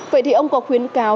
vậy thì ông có khuyến cáo